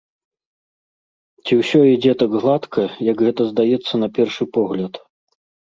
Ці ўсё ідзе так гладка, як гэта здаецца на першы погляд?